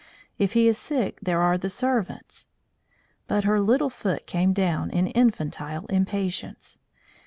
"If he is sick there are the servants" But here her little foot came down in infantile impatience.